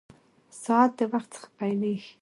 ساعت د وخت څخه پېلېږي.